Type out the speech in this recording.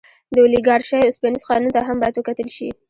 د اولیګارشۍ اوسپنیز قانون ته هم باید وکتل شي.